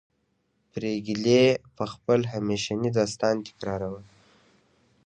پريګلې به خپل همیشنی داستان تکراروه